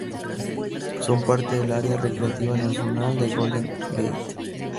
Son parte del Área Recreativa Nacional del Golden Gate.